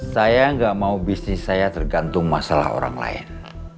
saya nggak mau bisnis saya tergantung masalah orang lain